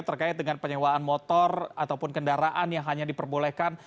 terkait dengan penyewaan motor ataupun kendaraan yang hanya diperbolehkan